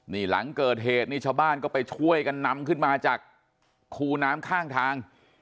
นี่หลังเกิดเหตุนี่ชาวบ้านก็ไปช่วยกันนำขึ้นมาจากคูน้ำข้างทาง